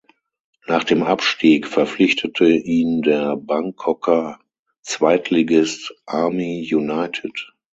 Nach dem Abstieg verpflichtete ihn der Bangkoker Zweitligist Army United.